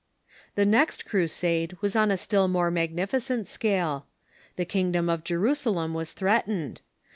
The next Crusade was on a still more magnificent scale. The kingdom of Jerusalem was threatened.